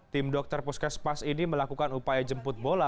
tim dokter puskesmas ini melakukan upaya jemput bola